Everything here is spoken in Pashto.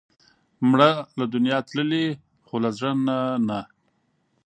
مړه له دنیا تللې، خو له زړه نه نه